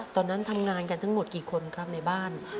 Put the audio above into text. ตอนนั้นทำงานกันทั้งหมดกี่คนครับในบ้าน